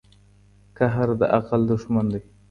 قهر د عقل دښمن دی.